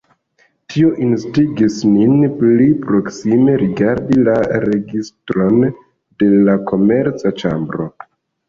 Tio instigis nin pli proksime rigardi la registron de la Komerca ĉambro.